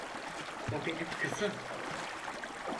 O benim kızım.